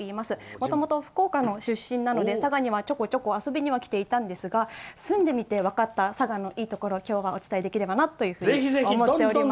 もともと福岡の出身なので佐賀にはちょこちょこ遊びには来ていたんですが住んでみて分かった佐賀のいいところを今日はお伝えできればなと思っております。